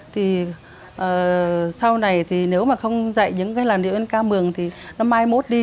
thì sau này nếu mà không dạy những cái làn điệu dân ca mường thì mai mốt đi